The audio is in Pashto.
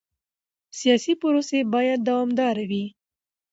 سیاسي پروسې باید دوامداره وي